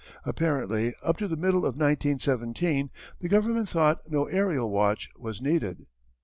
Apparently up to the middle of 1917 the government thought no aërial watch was needed.